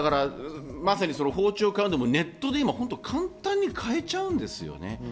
包丁も今ネットで簡単に買えちゃうんですよね。